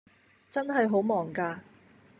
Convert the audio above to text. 真係好忙架